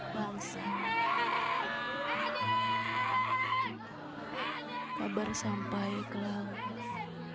pabar sampai ke laut